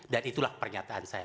dan itulah pernyataan saya